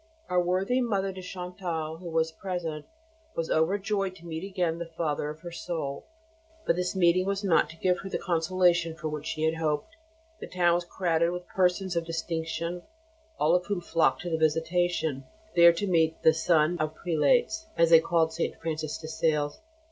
"Our worthy Mother de Chantal, who was present, was overjoyed to meet again the father of her soul, but this meeting was not to give her the consolation for which she had hoped. The town was crowded with persons of distinction, all of whom flocked to the Visitation, there to meet 'the Sun of Prelates,' as they called St. Francis de Sales.